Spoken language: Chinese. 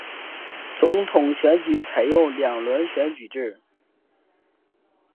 总统选举采用两轮选举制。